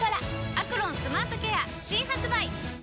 「アクロンスマートケア」新発売！